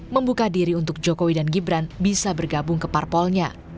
membuka diri untuk jokowi dan gibran bisa bergabung ke parpolnya